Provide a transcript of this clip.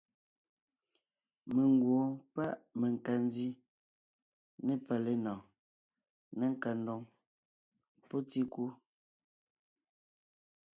Mengwoon páʼ nkandi ne palénɔɔn, ne nkandoŋ pɔ́ tíkú.